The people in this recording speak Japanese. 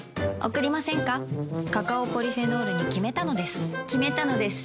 カカオポリフェノールに決めたのです決めたのです。